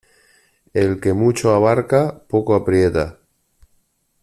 El que mucho abarca poco aprieta.